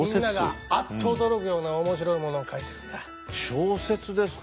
小説ですか。